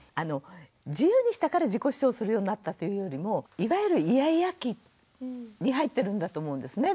自由にしたから自己主張するようになったというよりもいわゆるイヤイヤ期に入ってるんだと思うんですね。